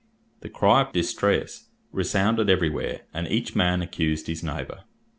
The cry of distress resounded every where, and each man accused his neighbour.